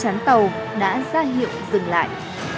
chán tàu đã ra hiệu dừng lại